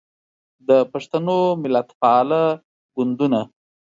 د پښتنو ملتپاله ګوندونه